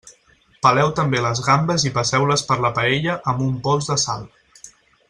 Peleu també les gambes i passeu-les per la paella amb un pols de sal.